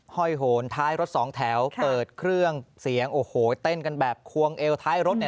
เฮ้อโหนท้ายรถ๒แถวเปิดเกียรติเครื่องเสียงเต้นกันแบบควงเอลท้ายรถ